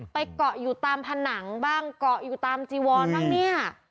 เกาะอยู่ตามผนังบ้างเกาะอยู่ตามจีวอนบ้างเนี่ย